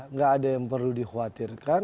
nggak ada yang perlu dikhawatirkan